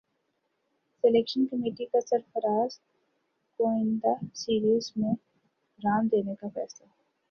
selection committee کا سرفراز کو ئندہ سیریز میں رام دینے کا فیصلہ